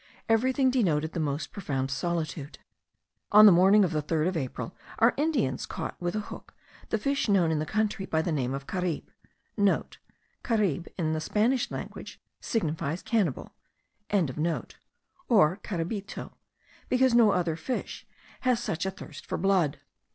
Everything denoted the most profound solitude. On the morning of the 3rd of April our Indians caught with a hook the fish known in the country by the name of caribe,* (* Caribe in the Spanish language signifies cannibal.) or caribito, because no other fish has such a thirst for blood.